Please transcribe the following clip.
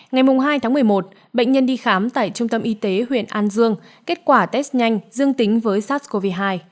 ngày hai tháng một mươi một bệnh nhân đi khám tại trung tâm y tế huyện an dương kết quả test nhanh dương tính với sars cov hai